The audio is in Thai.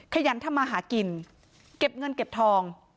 ขยันทำมาหากินเก็บเงินเก็บทอง